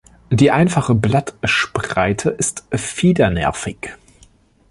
Die einfache Blattspreite ist fiedernervig.